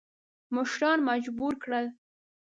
مشران مجبور کړل.